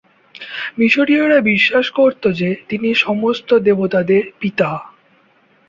মিশরীয়রা বিশ্বাস করতো যে তিনি সমস্ত দেবতাদের পিতা।